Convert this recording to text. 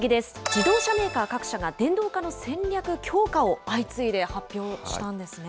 自動車メーカー各社が電動化の戦略強化を相次いで発表したんです